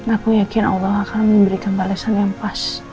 aku yakin allah akan memberikan balasan yang pas